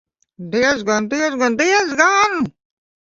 Diezgan, diezgan, diezgan!